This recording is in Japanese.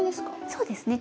そうですね。